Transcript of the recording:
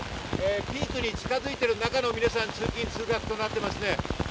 ピークに近づいている中の皆さん通勤・通学となっています。